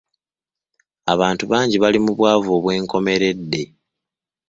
Abantu bangi bali mu bwavu obw'enkomeredde.